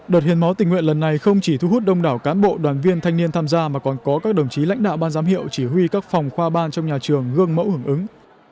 đợt hiến máu tình nguyện lần này không chỉ thu hút đông đảo cán bộ đoàn viên thanh niên tham gia mà còn có các đồng chí lãnh đạo ban giám hiệu chỉ huy các phòng khoa ban trong nhà trường gương mẫu hưởng ứng